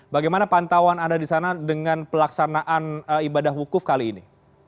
bagaimana pantauan anda di sana dengan pelaksanaan ibadah wukuf kali ini